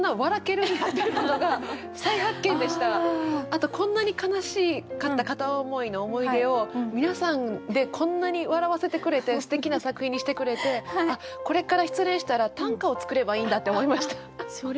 あとこんなに悲しかった片思いの思い出を皆さんでこんなに笑わせてくれてすてきな作品にしてくれてあっこれから失恋したら短歌を作ればいいんだって思いました。